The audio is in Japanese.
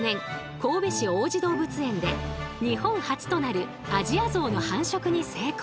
神戸市王子動物園で日本初となるアジアゾウの繁殖に成功。